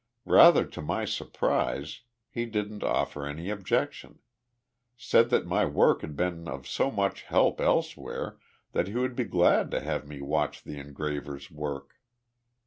Rather to my surprise, he didn't offer any objection. Said that my work had been of so much help elsewhere that he would be glad to have me watch the engravers' work.